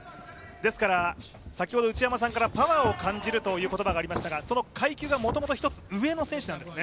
ですから先ほど内山さんからパワーを感じるという言葉がありましたがその階級がもともと１つ上の選手なんですね。